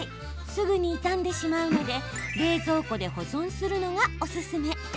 すぐに傷んでしまうので冷蔵庫で保存するのがおすすめ。